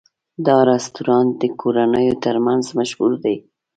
دا رستورانت د کورنیو تر منځ مشهور دی.